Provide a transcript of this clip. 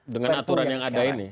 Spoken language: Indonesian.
dengan aturan yang ada ini